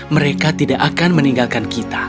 mereka tidak akan meninggalkan kita